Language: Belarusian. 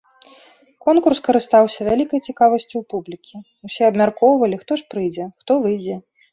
Конкурс карыстаўся вялікай цікавасцю ў публікі, усе абмяркоўвалі, хто ж пройдзе, хто выйдзе.